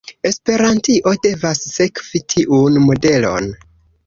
Esperantio devas sekvi tiun modelon.